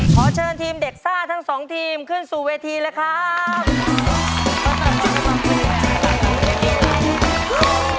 ขอเชิญทีมเด็กซ่าทั้งสองทีมขึ้นสู่เวทีเลยครับ